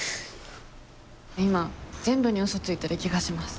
今全部に嘘ついてる気がします。